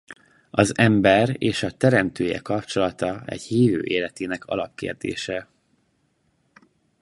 Az ember és a Teremtője kapcsolata egy hívő életének alapkérdése.